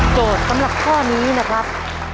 สำหรับข้อนี้นะครับ